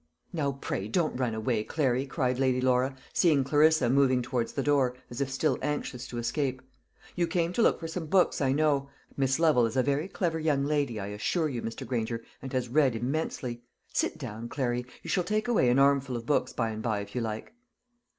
"Now, pray don't run away, Clary," cried Lady Laura, seeing Clarissa moving towards the door, as if still anxious to escape. "You came to look for some books, I know. Miss Lovel is a very clever young lady, I assure you, Mr. Granger, and has read immensely. Sit down, Clary; you shall take away an armful of books by and by, if you like."